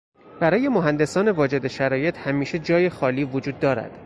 برای مهندسان واجد شرایط همیشه جای خالی وجود دارد.